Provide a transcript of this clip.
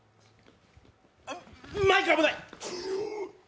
あっマイク危ない！